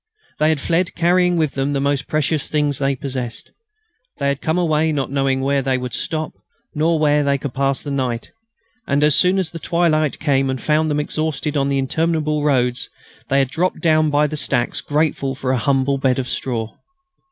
They had fled, carrying with them the most precious things they possessed. They had come away not knowing where they would stop, nor where they could pass the night. And as soon as the twilight came and found them exhausted on the interminable roads, they had dropped down by the stacks grateful for a humble bed of straw.